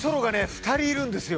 ２人いるんですよ。